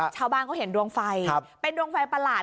ชาวบ้านเขาเห็นดวงไฟเป็นดวงไฟประหลาด